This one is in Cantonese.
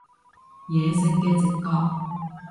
野性嘅直覺